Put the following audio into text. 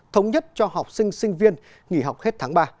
thống nhất cho học sinh sinh viên nghỉ học hết tháng ba